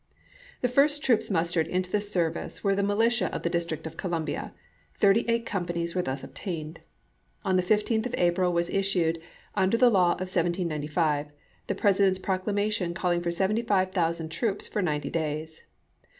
The first troops mustered into the service were the militia of the District of Columbia; thirty eight companies were thus obtained. On the 15th of April was issued, under the law of 1795, the Presi lsei. dent's proclamation calling for 75,000 troops for ninety days.